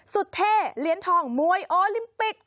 สุดเท่เหลียนทองมวยโอลิมปิตส์